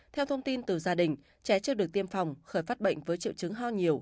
theo thông tin từ gia đình trẻ chưa được tiêm phòng khởi phát bệnh với triệu chứng ho nhiều